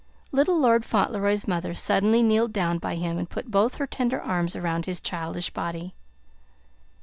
Little Lord Fauntleroy's mother suddenly kneeled down by him and put both her tender arms around his childish body.